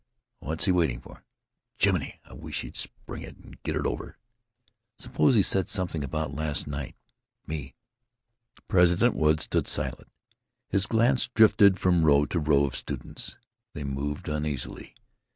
What's he waiting for? Jiminy! I wish he'd spring it and get it over.... Suppose he said something about last night—me——" President Wood stood silent. His glance drifted from row to row of students. They moved uneasily.